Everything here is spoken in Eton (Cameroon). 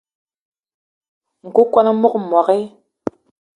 Nku kwan o mog mbogui.